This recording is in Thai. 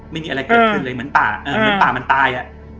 ไม่มีอะไรเกิดขึ้นเลยเหมือนป่ามันตาย